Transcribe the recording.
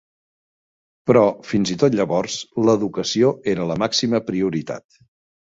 Però fins i tot llavors l'educació era la màxima prioritat.